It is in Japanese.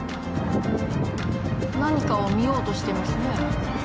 何かを見ようとしてますね。